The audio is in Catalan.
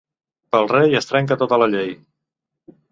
Pel rei es trenca tota la llei.